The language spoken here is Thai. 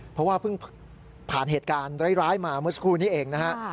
เพราะว่าเพิ่งผ่านเหตุการณ์ร้ายมาเมื่อสักครู่นี้เองนะฮะ